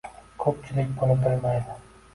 Ko`pchilik buni bilmaydi